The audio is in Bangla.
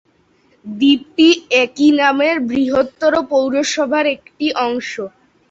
দ্বীপটি একই নামের বৃহত্তর পৌরসভার একটি অংশ।